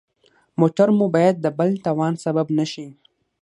موټر مو باید د بل تاوان سبب نه شي.